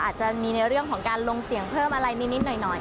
อาจจะมีในเรื่องของการลงเสียงเพิ่มอะไรนิดหน่อย